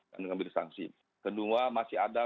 dengan memberi sanksi kedua masih ada